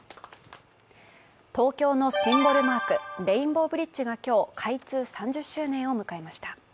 東京のシンボルマーク、レインボーブリッジが今日、開通３０周年を迎えました。